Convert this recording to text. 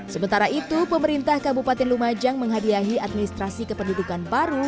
sementara itu pemerintah kabupaten lumajang menghadiahi administrasi kependudukan baru